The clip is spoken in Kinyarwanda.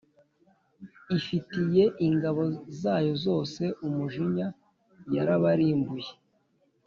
afitiye ingabo zayo zose umujinya yarabarimbuye